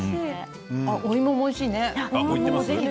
お芋もおいしいね。